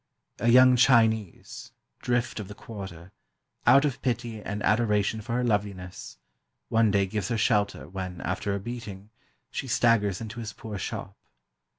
A young Chinese, drift of the quarter, out of pity and adoration for her loveliness, one day gives her shelter, when, after a beating, she staggers into his poor shop.